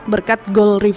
berkat gol ribut